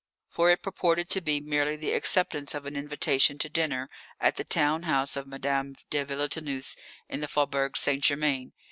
For it purported to be merely the acceptance of an invitation to dinner at the town house of Madame de Villetaneuse in the Faubourg St. Germain.